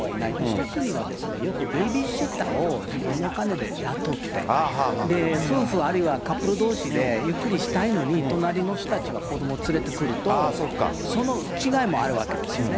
一つには、よくベビーシッターを自分のお金で雇って、夫婦あるいはカップルどうしでゆっくりしたいのに、隣の人たちが子どもを連れてくると、その違いもあるわけですよね。